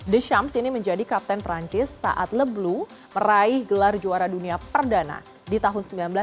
the shamps ini menjadi kapten perancis saat leblu meraih gelar juara dunia perdana di tahun seribu sembilan ratus sembilan puluh